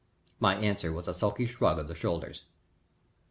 '" My answer was a sulky shrug of the shoulders.